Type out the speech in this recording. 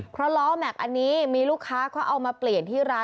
เพราะล้อแม็กซ์อันนี้มีลูกค้าเขาเอามาเปลี่ยนที่ร้าน